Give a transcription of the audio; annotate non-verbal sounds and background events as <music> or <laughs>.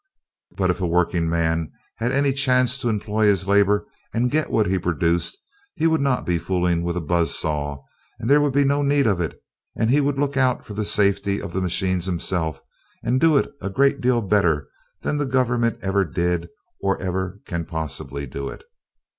<laughs> But if a workingman had any chance to employ his labor and get what he produced he would not be fooling with a buzz saw and there would be no need of it and he would look out for the safety of the machines himself and do it a great deal better than the Government ever did it or can ever possibly do it.